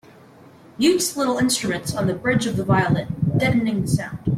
Mutes little instruments on the bridge of the violin, deadening the sound.